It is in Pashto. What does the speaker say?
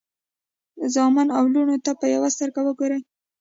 زامنو او لوڼو ته په یوه سترګه وګورئ.